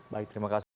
baik terima kasih